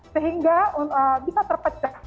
sehingga bisa terpecah